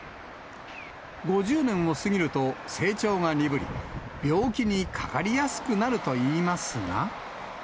５０年を過ぎると、成長が鈍り、病気にかかりやすくなるといいますが。